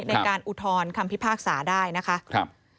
อุทธรณ์คำพิพากษาได้นะคะ